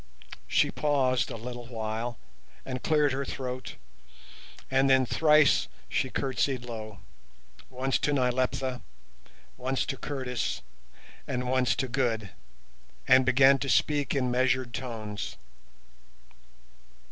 She paused a little while, and cleared her throat, and then thrice she curtseyed low, once to Nyleptha, once to Curtis, and once to Good, and began to speak in measured tones.